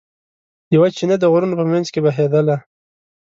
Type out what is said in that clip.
یوه چینه د غرونو په منځ کې بهېدله.